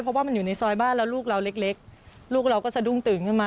เพราะว่ามันอยู่ในซอยบ้านแล้วลูกเราเล็กลูกเราก็สะดุ้งตื่นขึ้นมา